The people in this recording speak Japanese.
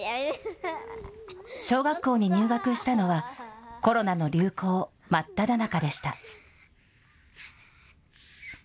小学校に入学したのは、コロナの流行真っただ中でした。